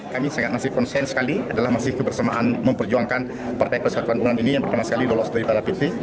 kami sangat masih konsen sekali adalah masih kebersamaan memperjuangkan partai persatuan pembangunan ini yang pertama sekali lolos dari para pt